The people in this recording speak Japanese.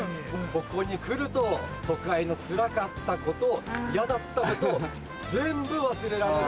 ここに来ると都会のつらかったこと嫌だったこと全部忘れられる。